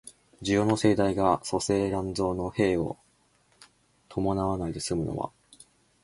需要の盛大が粗製濫造の弊を伴わないで済むのは、